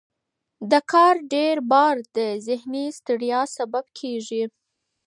د کار ډیر بار د ذهني ستړیا سبب کېږي.